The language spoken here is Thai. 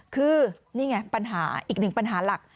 คือนี่ไงปัญหาอีกหนึ่งปัญหาหลัก